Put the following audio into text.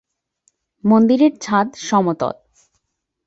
মন্দিরের ছাদ সমতল।